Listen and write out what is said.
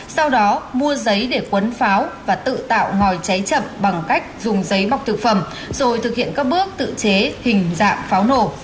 sau đó mua giấy để quấn pháo và tự tạo ngòi cháy chậm bằng cách dùng giấy bọc thực phẩm rồi thực hiện các bước tự chế hình dạng pháo nổ